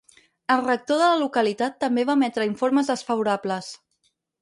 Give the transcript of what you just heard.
El rector de la localitat també va emetre informes desfavorables.